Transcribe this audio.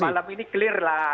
malam ini clear lah